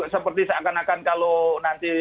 seperti seakan akan kalau nanti